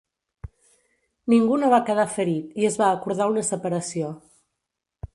Ningú no va quedar ferit i es va acordar una separació.